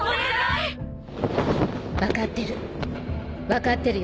分かってる。